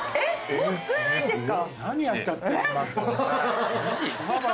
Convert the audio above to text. もうつくねないんですか？